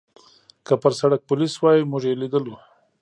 که پر سړک پولیس وای، موږ یې لیدلو.